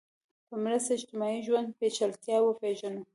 په مرسته اجتماعي ژوند پېچلتیا وپېژنو